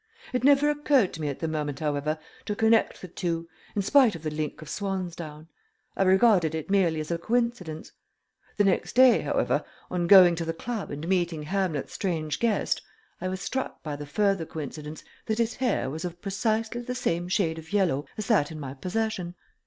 It never occurred to me at the moment however to connect the two, in spite of the link of swan's down. I regarded it merely as a coincidence. The next day, however, on going to the club and meeting Hamlet's strange guest, I was struck by the further coincidence that his hair was of precisely the same shade of yellow as that in my possession.